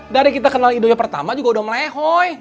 dari kita kenal ido yang pertama juga udah melehoi